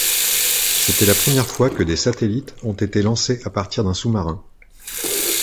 C'était la première fois que des satellites ont été lancés à partir d'un sous-marin.